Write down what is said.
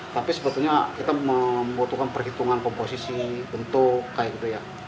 tapi sebetulnya kita membutuhkan perhitungan komposisi bentuk kayak gitu ya